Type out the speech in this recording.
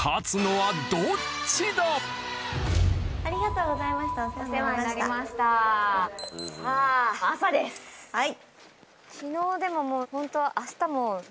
はい。